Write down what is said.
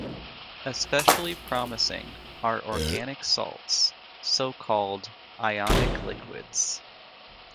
Especially promising are organic salts, so called ionic liquids.